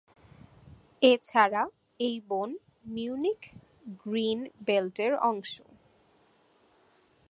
এছাড়া এই বন মিউনিখ গ্রিন বেল্টের অংশ।